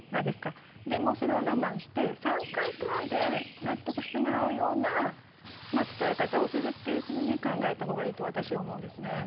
でも、それを我慢して３回ぐらいで納得してもらうような伝え方をするというふうに考えた方がいいと私は思います。